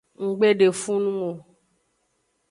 Nggbe de fun nung o.